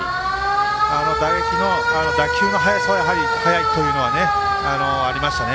打撃の打球の速さはやはり、速いというのはありましたね。